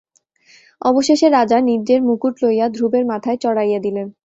অবশেষে রাজা নিজের মুকুট লইয়া ধ্রুবের মাথায় চড়াইয়া দিলেন।